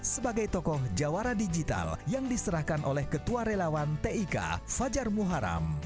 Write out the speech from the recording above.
sebagai tokoh jawara digital yang diserahkan oleh ketua relawan tik fajar muharam